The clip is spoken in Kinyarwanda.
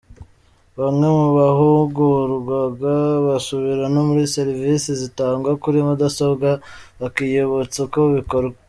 Bamwe mu bahugurwaga basubira no muri Serivise zitangwa kuri mudasobwa bakiyibutsa uko bikorwa.